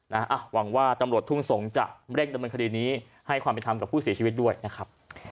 นะฮะอ่ะหวังว่าจำลดทุ่งสงฆ์จะเร่งดำบันคดีนี้ให้ความเป็นทำกับผู้เสียชีวิตด้วยนะครับ